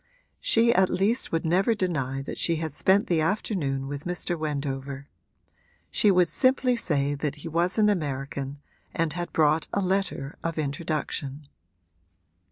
She at least would never deny that she had spent the afternoon with Mr. Wendover: she would simply say that he was an American and had brought a letter of introduction.